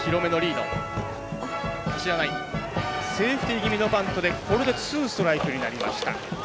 セーフティー気味のバントでツーストライクになりました。